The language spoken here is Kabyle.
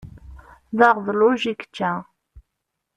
D aɣedluj i yečča.